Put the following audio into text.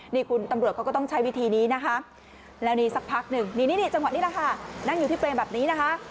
นี่คุณตำรวจเขาก็ต้องใช้วิธีนี้นะคะแล้วนี่สักพักหนึ่งนี่จังหวะนี้แหละค่ะนั่งอยู่ที่เปรย์แบบนี้นะคะ